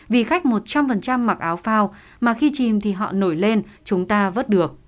vì khách một trăm linh mặc áo phao mà khi chìm thì họ nổi lên chúng ta vớt được